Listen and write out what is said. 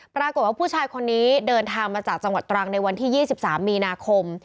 ปรากฏว่าผู้ชายคนนี้เดินทางมาจากจังหวัดตรังในวันที่๒๓มีนาคม